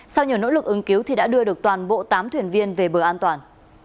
sau nhiều nỗ lực ứng cứu thì đã đưa được toàn bộ tám thuyền viên về bờ an toàn